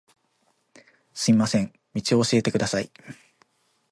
すみません、道を教えてください